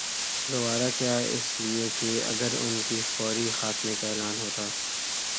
گوارا کیا اس لیے کہ اگر ان کے فوری خاتمے کا اعلان ہوتا